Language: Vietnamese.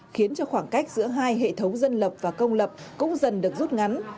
khiến cho khoảng cách giữa hai hệ thống dân lập và công lập cũng dần được rút ngắn